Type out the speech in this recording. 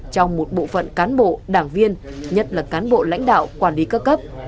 trong một bộ phận cán bộ đảng viên nhất là cán bộ lãnh đạo quản lý các cấp